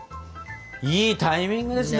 いいタイミングですね。